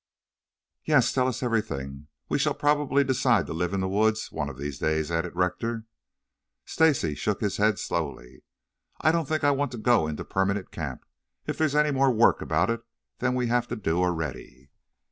"Yes, tell us everything. We shall probably decide to live in the woods one of these days," added Rector. Stacy shook his head slowly. "I don't think I want to go into permanent camp, if there's any more work about it than we have to do already."